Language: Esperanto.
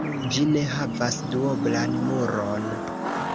Ĝi ne havas duoblan muron.